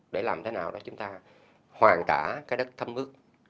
để làm thế nào để chúng ta hoàn cả cái đất thấm nước